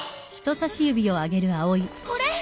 これ？